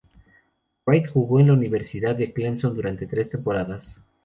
Wright jugó en la Universidad de Clemson durante tres temporadas.